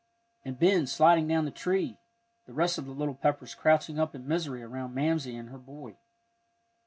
And Ben sliding down the tree, the rest of the little Peppers crouching up in misery around Mamsie and her boy.